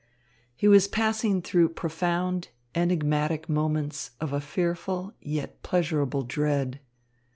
He was passing through profound, enigmatic moments of a fearful yet pleasurable dread.